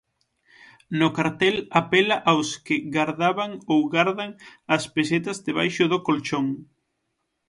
No cartel apela aos que gardaban ou gardan as pesetas debaixo do colchón.